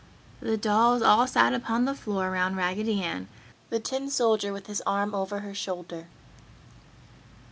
The dolls all sat upon the floor around Raggedy Ann, the tin soldier with his arm over her shoulder.